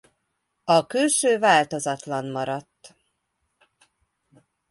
A külső változatlan maradt.